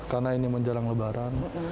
karena ini menjalang lebaran